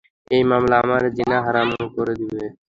এই মামলা আমার জিনা হারাম করে দিবে।